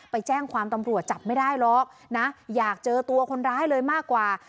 ไปแจ้งความตำรวจจับไม่ได้หรอกนะอยากเจอตัวคนร้ายเลยมากกว่า